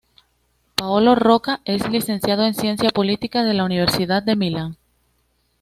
Paolo Rocca es licenciado en Ciencia política de la Universidad de Milán.